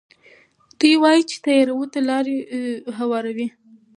دوی وايي چې تیارو ته لارې هواروي.